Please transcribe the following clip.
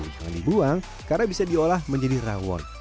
jangan dibuang karena bisa diolah menjadi rawon